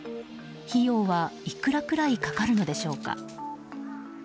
費用はいくらくらいかかるのでしょうか。